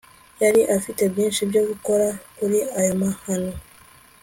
Yari afite byinshi byo gukora kuri ayo mahano